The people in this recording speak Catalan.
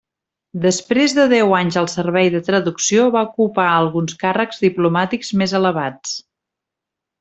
Després de deu anys al servei de traducció va ocupar alguns càrrecs diplomàtics més elevats.